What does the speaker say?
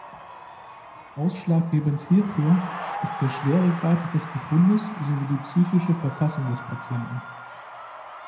Ausschlaggebend hierfür ist der Schweregrad des Befundes sowie die psychische Verfassung des Patienten.